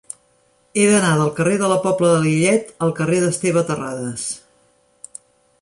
He d'anar del carrer de la Pobla de Lillet al carrer d'Esteve Terradas.